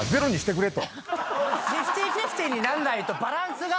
フィフティーフィフティーになんないとバランスが。